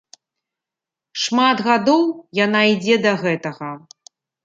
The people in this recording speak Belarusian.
Шмат гадоў яна ідзе да гэтага.